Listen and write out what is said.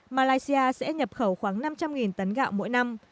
malaysia sẽ nhập khẩu khoảng năm trăm linh tấn gạo mỗi năm